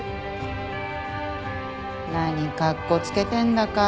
何かっこつけてんだか。